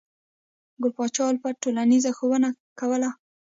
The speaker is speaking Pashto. ګل پاچا الفت ټولنیزه ښوونه کوله.